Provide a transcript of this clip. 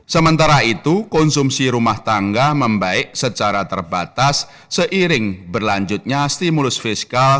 sementara itu konsumsi rumah tangga membaik secara terbatas seiring berlanjutnya stimulus fiskal